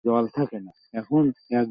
সন্ন্যাসী সেটি মেজের উপর খুলিয়া ধরিলেন।